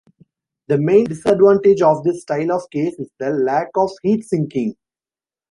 The main disadvantage of this style of case is the lack of heat sinking.